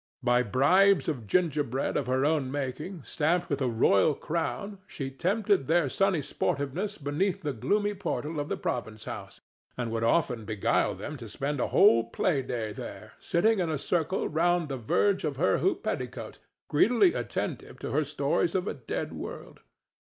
By bribes of gingerbread of her own making, stamped with a royal crown, she tempted their sunny sportiveness beneath the gloomy portal of the province house, and would often beguile them to spend a whole play day there, sitting in a circle round the verge of her hoop petticoat, greedily attentive to her stories of a dead world.